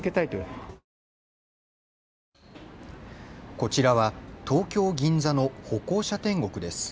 こちらは東京銀座の歩行者天国です。